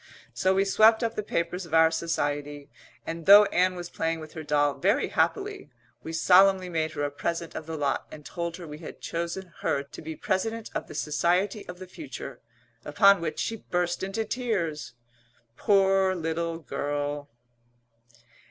So we swept up the papers of our Society, and, though Ann was playing with her doll very happily, we solemnly made her a present of the lot and told her we had chosen her to be President of the Society of the future upon which she burst into tears, poor little girl.